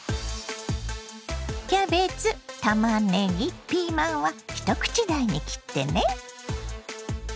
キャベツたまねぎピーマンは一口大に切ってね。